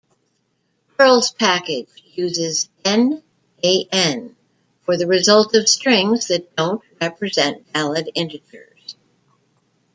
Perl's package uses "NaN" for the result of strings that don't represent valid integers.